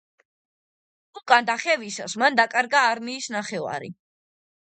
უკან დახევისას მან დაკარგა არმიის ნახევარი.